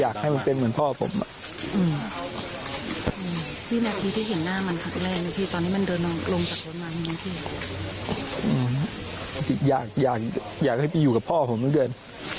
อยากให้มันเป็นเหมือนพ่อผมอ่ะอยากให้ไปอยู่กับพ่อผมเหลือเกิน